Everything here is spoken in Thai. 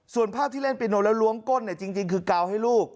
ส่วนภาพที่เล่นปีโนแล้วล้วงก้นจริงคือกาวให้ลูก